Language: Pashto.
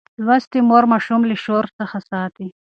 لوستې مور ماشوم له شور څخه ساتي.